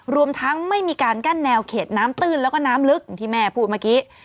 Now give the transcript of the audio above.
รวมทั้งไม่มีการกั้นแนวเขตน้ำตื้นแล้วก็น้ำลึกที่แม่พูดเมื่อกี้